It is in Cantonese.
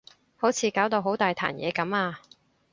好似搞到好大壇嘢噉啊